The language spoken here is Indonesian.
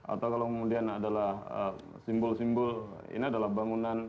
atau kalau kemudian adalah simbol simbol ini adalah bangunan